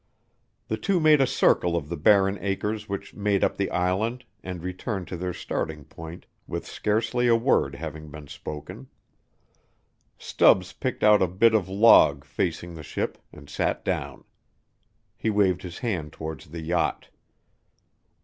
The two made a circle of the barren acres which made up the island and returned to their starting point with scarcely a word having been spoken. Stubbs picked out a bit of log facing the ship and sat down. He waved his hand towards the yacht.